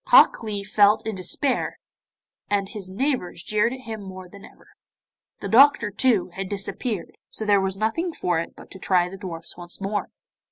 Hok Lee felt in despair, and his neighbours jeered at him more than ever. The doctor, too, had disappeared, so there was nothing for it but to try the dwarfs once more.